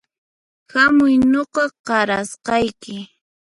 Hamuy nuqa qarasqayki